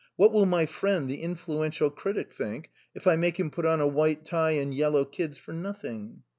" What will my friend, the influential critic, think if I make him put on a white tie and yellow kids for nothing